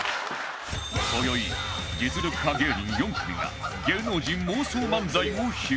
今宵実力派芸人４組が芸能人妄想漫才を披露